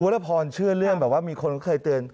ละพรเชื่อเรื่องแบบว่ามีคนเขาเคยเตือน